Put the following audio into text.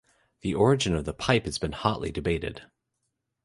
The origin of the pipe has been hotly debated.